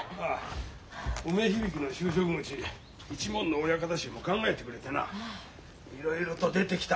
梅響の就職口一門の親方衆も考えてくれてないろいろと出てきた。